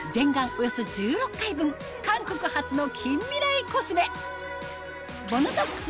およそ１６回分韓国発の近未来コスメＢＯＮＯＴＯＸ